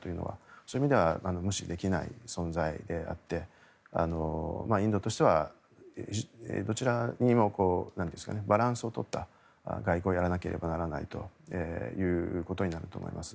そういう意味では無視できない存在であってインドとしてはどちらにもバランスを取った外交をやらなければならないということになると思います。